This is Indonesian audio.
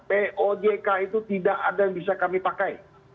pojk itu tidak ada yang bisa kami pakai